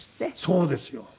そうですよ。